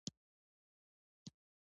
د هلمند په سنګین کې د رخام نښې شته.